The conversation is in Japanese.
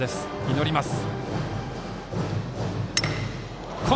祈ります。